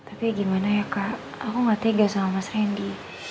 tapi gimana ya kak aku gak tega sama mas randy